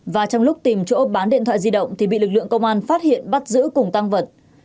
và trong lúc tìm chỗ bán điện thoại di động thì bị lực lượng công an phát hiện bắt giữ cùng tăng vật